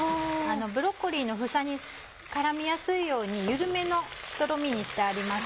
ブロッコリーの房に絡みやすいように緩めのとろみにしてあります。